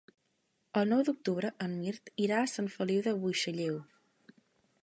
El nou d'octubre en Mirt irà a Sant Feliu de Buixalleu.